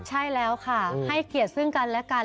ใช่แล้วค่ะให้เกียรติซึ่งกันและกัน